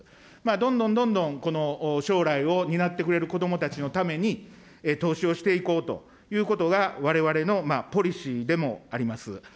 どんどんどんどんこの将来を担ってくれる子どもたちのために、投資をしていこうということがわれわれのポリシーでもあります。